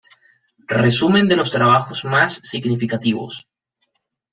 Resumen de los trabajos más significativos